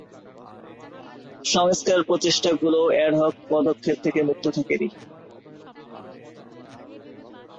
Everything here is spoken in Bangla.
সংস্কার প্রচেষ্টাগুলোও অ্যাড-হক পদক্ষেপ থেকে মুক্ত থাকে নি।